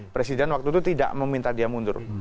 presiden waktu itu tidak meminta dia mundur